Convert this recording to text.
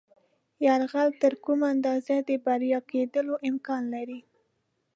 یرغل تر کومې اندازې د بریالي کېدلو امکان لري.